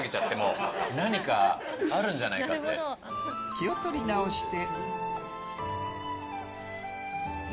気を取り直して。